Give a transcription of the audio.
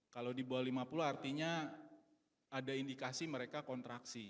kalau di bawah lima puluh artinya ada indikasi mereka kontraksi